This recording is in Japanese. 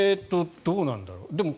どうなんだろう。